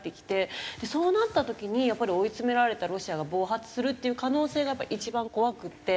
でそうなった時にやっぱり追い詰められたロシアが暴発するっていう可能性がやっぱ一番怖くて。